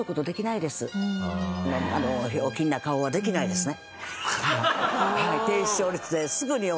やっぱりひょうきんな顔はできないですね。